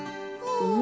うん。